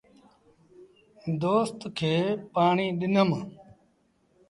دوست کي پآڻي ڏنم۔